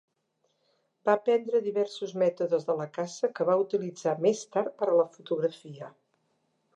Va aprendre diversos mètodes de la caça que va utilitzar més tard per a la fotografia.